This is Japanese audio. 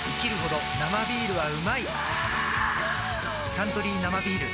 「サントリー生ビール」